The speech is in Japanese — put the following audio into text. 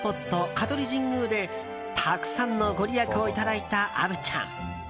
香取神宮でたくさんのご利益をいただいた虻ちゃん。